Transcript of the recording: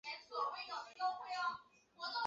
长脚赤蛙为蛙科蛙属的两栖动物。